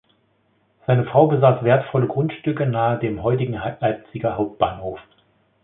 Seine Frau besaß wertvolle Grundstücke nahe dem heutigen Leipziger Hauptbahnhof.